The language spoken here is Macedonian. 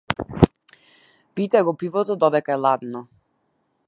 Пијте го пивото додека е ладно.